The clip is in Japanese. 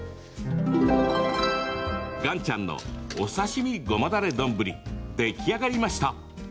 岩ちゃんのお刺身ごまだれ丼出来上がりました。